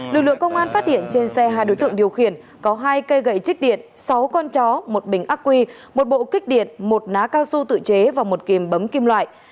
lực lượng công an phát hiện trên xe hai đối tượng điều khiển có hai cây gậy chích điện sáu con chó một bình ác quy một bộ kích điện một ná cao su tự chế và một kìm bấm kim loại